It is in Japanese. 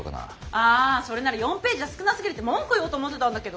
あそれなら４ページじゃ少なすぎるって文句言おうと思ってたんだけど。